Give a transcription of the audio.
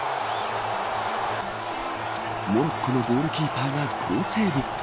モロッコのゴールキーパーが好セーブ。